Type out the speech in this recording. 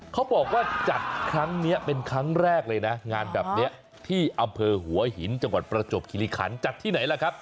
เขาบอกว่าจัดครั้งนี้เป็นครั้งแรกเลยนะงานแบบนี้ที่อำเภอหัวหินจังหวัดประจวบคิริขันจัดที่ไหนล่ะครับ